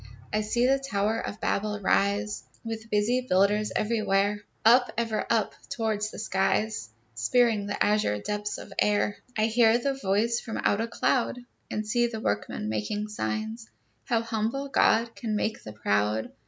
I see the tower of Babel rise, With busy builders everywhere, Up, ever up, towards the skies, Spearing the azure depths of air. I hear a voice from out a cloud, And see the workmen making signs, How humble God can make the proud!